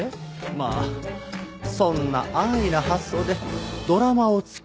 まあそんな安易な発想でドラマを作るはずが。